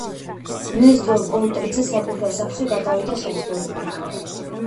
ნესტორ კონტრიძე საკუთარ სახლში გადავიდა საცხოვრებლად.